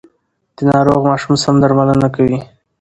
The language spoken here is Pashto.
د ناروغ ماشوم سم درملنه کوي.